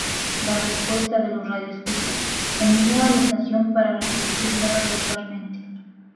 La respuesta de los radioescuchas animó a la estación para reproducirla regularmente.